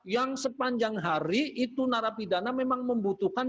yang sepanjang hari itu narapidana memang membutuhkan